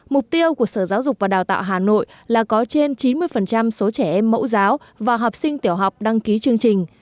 mục tiêu của sở giáo dục và đào tạo hà nội là có trên chín mươi số trẻ em mẫu giáo và học sinh tiểu học đăng ký chương trình